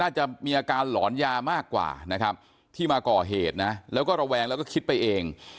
จะมีอาการหลอนยามากกว่านะครับที่มาก่อเหตุนะแล้วก็ระแวงแล้วก็คิดไปเอง